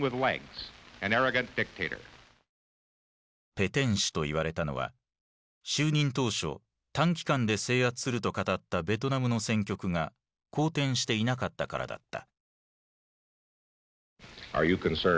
ペテン師といわれたのは就任当初短期間で制圧すると語ったベトナムの戦局が好転していなかったからだった。